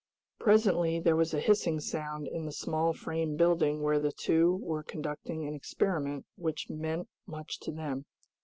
Presently there was a hissing sound in the small frame building where the two were conducting an experiment which meant much to them.